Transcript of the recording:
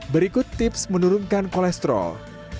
berikut tips menurunkan kolesterol